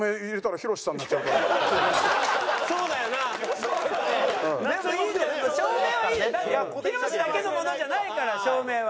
ヒロシだけのものじゃないから照明は。